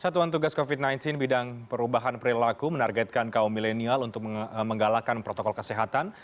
satuan tugas covid sembilan belas bidang perubahan perilaku menargetkan kaum milenial untuk menggalakkan protokol kesehatan